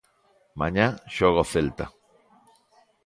Mañá xoga o Celta.